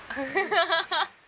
ハハハハ！